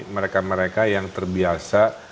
mereka mereka yang terbiasa